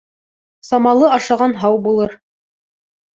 Самалы ашаған һау булыр.